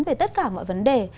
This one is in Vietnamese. về tất cả mọi vấn đề